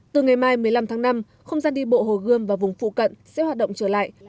từ ngày mai một mươi năm tháng năm không gian đi bộ hồ gươm và vùng phụ cận sẽ hoạt động trở lại